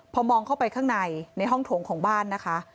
พอมองเข้าไปข้างในในห้องโถงของบ้านนะคะ